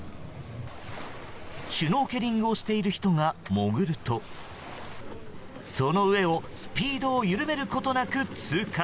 シュノーケリングをしている人が潜るとその上をスピードを緩めることなく通過。